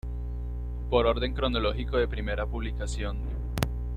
Por orden cronológico de primera publicación.